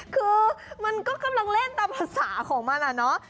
คือมันก็กำลังเล่นตามภาษาของมันอะเนาะ